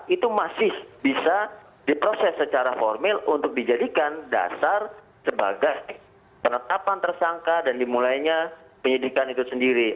itu masih bisa diproses secara formil untuk dijadikan dasar sebagai penetapan tersangka dan dimulainya penyidikan itu sendiri